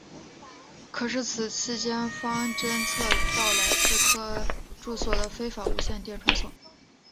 可是此期间军方侦测到来自科恩住所的非法无线电传送。